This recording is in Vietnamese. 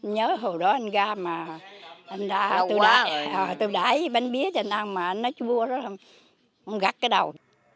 nhớ hồi đó anh gà mà anh ra tôi đáy bánh bía cho anh ăn mà anh nói chua ông gắt cái đầu